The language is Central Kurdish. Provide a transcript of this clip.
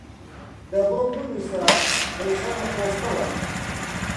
دە بۆم بنووسە دەیخەمە پۆستەوە